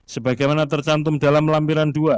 sebagaimana tercantum dalam lampiran dua